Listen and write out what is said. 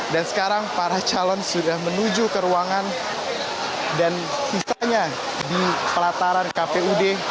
dan sekarang para calon sudah menuju ke ruangan dan sisanya di pelataran kpud